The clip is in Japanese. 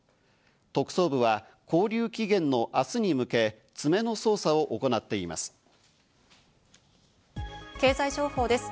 特捜部は勾留期限の明日に向け、詰めの捜査を行っています。